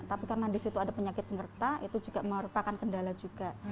tapi karena disitu ada penyakit nyerta itu juga merupakan kendala juga